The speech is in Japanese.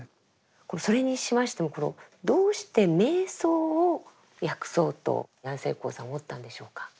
それにしましてもこのどうして瞑想を訳そうと安世高さん思ったんでしょうか？